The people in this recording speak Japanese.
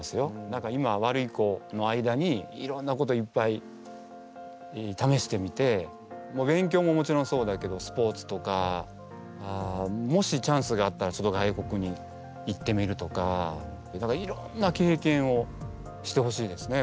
だから今ワルイコの間にいろんなこといっぱいためしてみて勉強ももちろんそうだけどスポーツとかもしチャンスがあったら外国に行ってみるとかいろんな経験をしてほしいですね